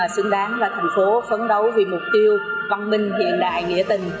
xứng đáng là thành phố phấn đấu vì mục tiêu văn minh